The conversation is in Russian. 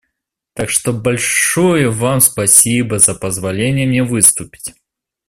Так что большое Вам спасибо за позволение мне выступить.